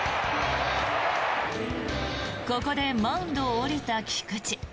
ここでマウンドを降りた菊池。